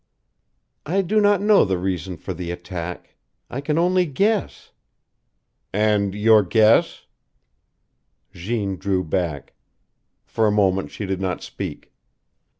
I do not know the reason for the attack. I can only guess " "And your guess " Jeanne drew back. For a moment she did not speak.